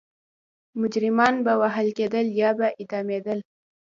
مجرمان به وهل کېدل یا به اعدامېدل.